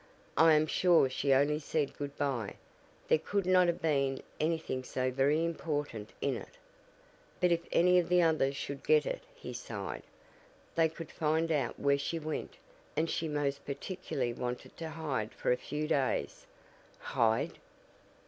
I am sure she only said good bye; there could not have been anything so very important in it." "But if any of the others should get it," he sighed. "They could find out where she went, and she most particularly wanted to hide for a few days." "Hide!"